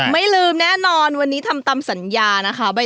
ไม่ลืมแน่นอนวันนี้ทำตามสัญญานะคะใบ